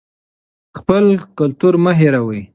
خپل کلتور مه هېروئ.